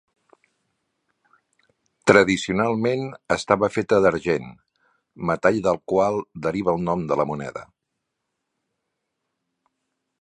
Tradicionalment estava feta d'argent, metall del qual deriva el nom de la moneda.